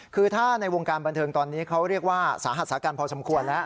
คือถ้าในวงการบันเทิงตอนนี้เขาเรียกว่าสาหัสสากันพอสมควรแล้ว